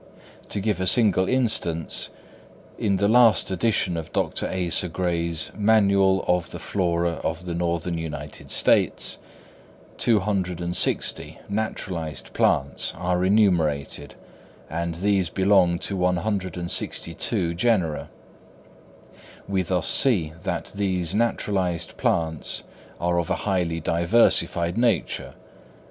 To give a single instance: in the last edition of Dr. Asa Gray's "Manual of the Flora of the Northern United States," 260 naturalised plants are enumerated, and these belong to 162 genera. We thus see that these naturalised plants are of a highly diversified nature.